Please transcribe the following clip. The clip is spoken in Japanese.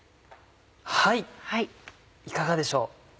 はいいかがでしょう。